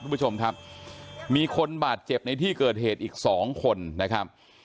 คุณผู้ชมครับมีคนบาดเจ็บในที่เกิดเหตุอีกสองคนนะครับ